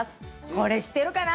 これ、知ってるかな？